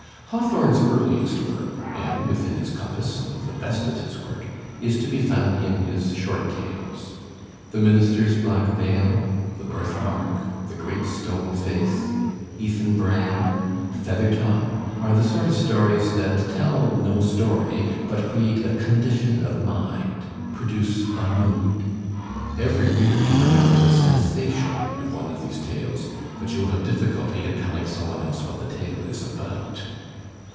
Hawthorne's earliest work and, within its compass, some of the best of his work is to be found in his short tales. "The Minister's Black Veil," "The Birthmark," "The Great Stone Face," "Ethan Brand," "Feathertop" are the sort of stories that teU no story, but create a condition of mind, produce a mood. Eveiy reader can remember the sensation of one of these tales, but you will have difficulty in telling some one else what the tale is about.